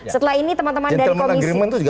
setelah ini teman teman dari komisi tiga